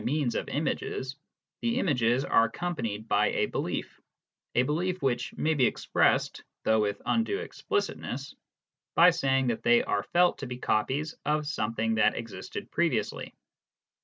27 means of images, the images are accompanied by a belief, a belief which may be expressed (though with undue explicitness) by saying that they are felt to be copies of something that existed previously.